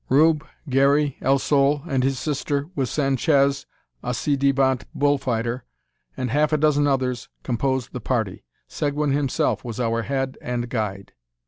Rube, Garey, El Sol, and his sister, with Sanchez, a ci devant bull fighter, and half a dozen others, composed the party. Seguin himself was our head and guide.